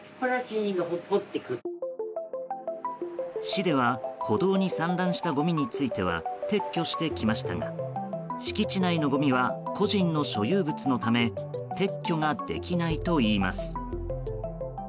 市では歩道に散乱したごみについては撤去してきましたが敷地内のごみは個人の所有物のため撤去ができないといいます。